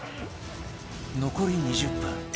残り２０分